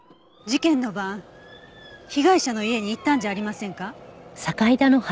事件の晩被害者の家に行ったんじゃありませんか？